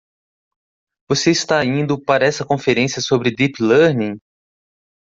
Você está indo para essa conferência sobre Deep Learning?